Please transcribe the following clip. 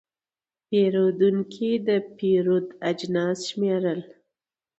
پیرودونکی د پیرود اجناس شمېرل.